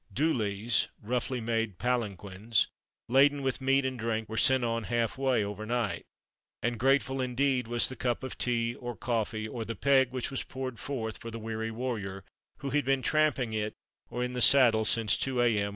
Dhoolies (roughly made palanquins) laden with meat and drink were sent on half way, overnight; and grateful indeed was the cup of tea, or coffee, or the "peg" which was poured forth for the weary warrior who had been "tramping it" or in the saddle since 2 A.M.